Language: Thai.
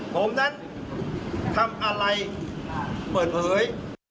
ผมนั้นทำอะไรเปิดเผย